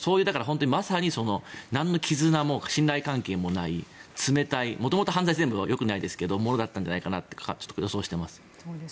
まさに何の絆も信頼関係もない冷たい、元々犯罪は全部よくないですがそういうものだったんじゃないかと予想しています。